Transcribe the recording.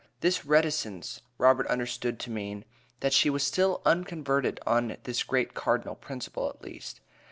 This reticence Robert understood to mean, that she was still unconverted on this great cardinal principle at least.